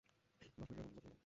দশ মিনিটের মধ্যে পৌঁছে যাব।